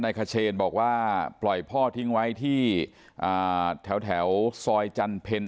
นายขเชนบอกว่าปล่อยพ่อทิ้งไว้ที่อ่าแถวแถวซอยจันทร์เบลน